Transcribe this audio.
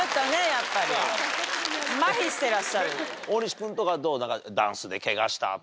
やっぱりまひしてらっしゃる。